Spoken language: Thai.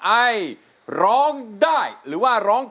เป็นเพลง